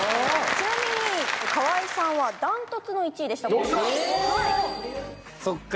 ちなみに河合さんはダントツの１位でしたよっしゃ！